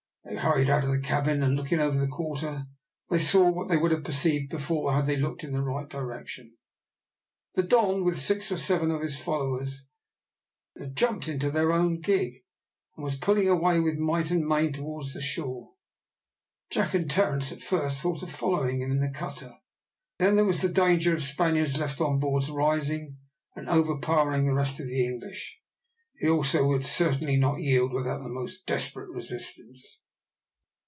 They hurried out of the cabin, and, looking over the quarter, they saw what they would have perceived before had they looked in the right direction. The Don, with six or seven of his followers, had jumped into their own gig, and was pulling away with might and main towards the shore. Jack and Terence at first thought of following him in the cutter, but then there was the danger of the Spaniards left on board rising, and overpowering the rest of the English. He also would certainly not yield without a most desperate resistance.